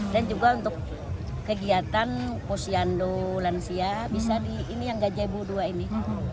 dan juga untuk kegiatan posyando lansia bisa di ini yang gajah ibu dua ini